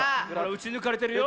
うちぬかれてるよ。